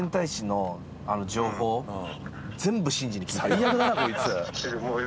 最悪だなこいつ。